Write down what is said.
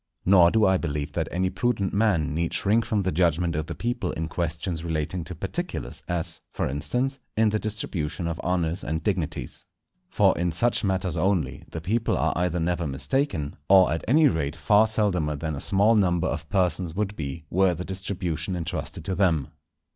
Nor do I believe that any prudent man need shrink from the judgment of the people in questions relating to particulars, as, for instance, in the distribution of honours and dignities. For in such matters only, the people are either never mistaken, or at any rate far seldomer than a small number of persons would be, were the distribution entrusted to them.